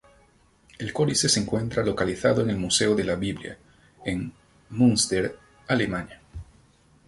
El códice se encuentra localizado en el Museo de la Biblia, en Münster, Alemania.